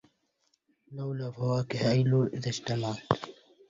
لولا فواكه أيلول إذا اجتمعت